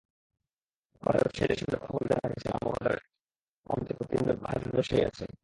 বাজারের ব্যবসায়ীদের সঙ্গে কথা বলে জানা গেছে, নামাবাজরে অন্তত তিন হাজার ব্যবসায়ী আছেন।